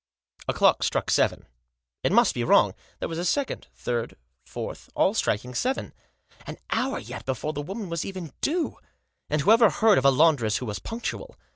A clock struck seven. It must be wrong. There was a second, third, fourth, all striking seven. An hour yet before the woman was even due ! And whoever heard of a laundress who was punctual?